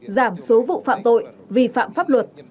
giảm số vụ phạm tội vi phạm pháp luật